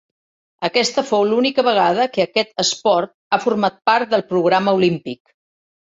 Aquesta fou l'única vegada que aquest esport ha format part del programa olímpic.